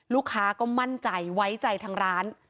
ลูกค้าก็มั่นใจไว้ใจทางร้าน